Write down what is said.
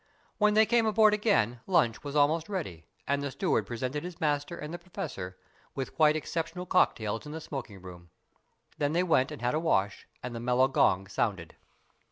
When they came aboard again, lunch was almost ready, and the steward presented his master and the Professor with quite exceptional cocktails in the smoking room. Then they went and had a wash, and the mellow gong sounded.